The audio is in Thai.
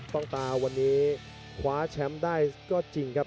ต้องตาวันนี้คว้าแชมป์ได้ก็จริงครับ